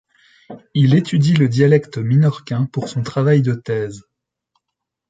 Il étudie le dialecte minorquin pour son travail de thèse.